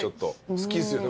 好きっすよね